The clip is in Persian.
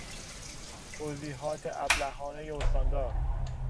توضیحات ابلهانهی استاندار